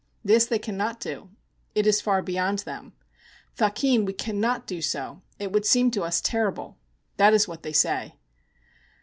This they cannot do; it is far beyond them. 'Thakin, we cannot do so. It would seem to us terrible,' that is what they say.